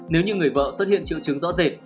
nếu như người vợ xuất hiện triệu chứng rõ rệt